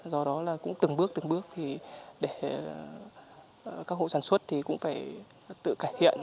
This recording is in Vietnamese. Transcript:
do đó là cũng từng bước từng bước thì để các hộ sản xuất thì cũng phải tự cải thiện